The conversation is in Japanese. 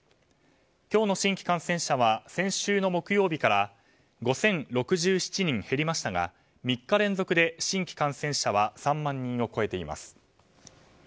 今日の新規感染者は先週の木曜日から５０６７人減りましたが３日連続で新規感染者は３万人を超えています。